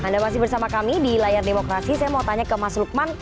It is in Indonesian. di layar demokrasi saya mau tanya ke mas lukman